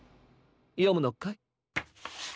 よむのかい？